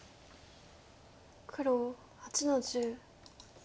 黒８の十。